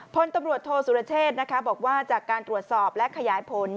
พลตำรวจโทษสุรเชษนะคะบอกว่าจากการตรวจสอบและขยายผล